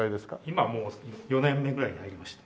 今もう４年目ぐらいに入りました。